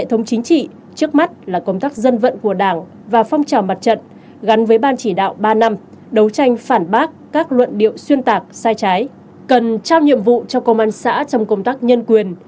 hệ thống chính trị trước mắt là công tác dân vận của đảng và phong trào mặt trận gắn với ban chỉ đạo ba năm đấu tranh phản bác các luận điệu xuyên tạc sai trái cần trao nhiệm vụ cho công an xã trong công tác nhân quyền